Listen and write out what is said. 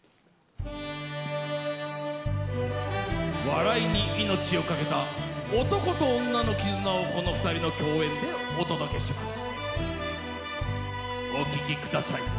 笑いに命をかけた男と女の絆をこの２人の共演でお届けします。